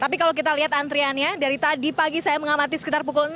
tapi kalau kita lihat antriannya dari tadi pagi saya mengamati sekitar pukul enam